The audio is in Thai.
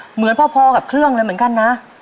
เหมือนพอกับเครื่องเลยเหมือนกันนะ